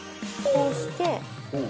こうして。